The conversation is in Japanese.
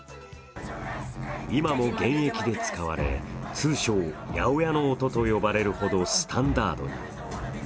今も現役で使われ、通称、ヤオヤの音といわれるほどスタンダードに。